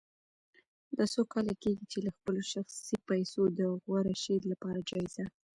دا څو کاله کېږي چې له خپلو شخصي پیسو د غوره شعر لپاره جایزه